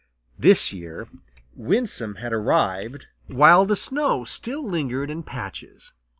This year Winsome had arrived while the snow still lingered in patches.